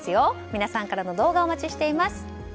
皆さんからの動画をお待ちしております。